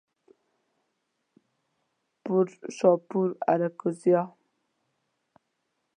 پورشاپور، آراکوزیا